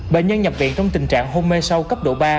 bệnh nhân nhập viện trong tình trạng hôn mê sâu cấp độ ba